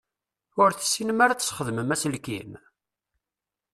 Ur tessinem ara ad tesxedmem aselkim?